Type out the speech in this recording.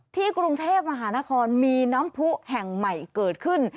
กรุงเทพมหานครมีน้ำผู้แห่งใหม่เกิดขึ้น